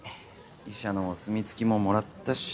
医者のお墨付きももらったし。